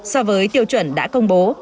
so với tiêu chuẩn đã công bố